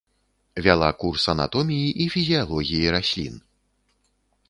Вяла курс анатоміі і фізіялогіі раслін.